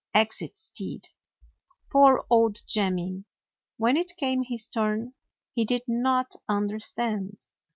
Exit Stead. Poor old Jemmy! When it came his turn, he did not understand.